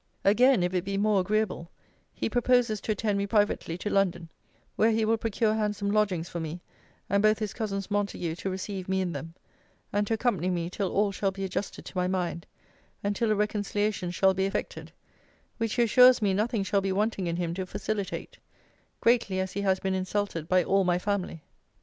'Again, if it be more agreeable, he proposes to attend me privately to London, where he will procure handsome lodgings for me, and both his cousins Montague to receive me in them, and to accompany me till all shall be adjusted to my mind; and till a reconciliation shall be effected; which he assures me nothing shall be wanting in him to facilitate, greatly as he has been insulted by all my family.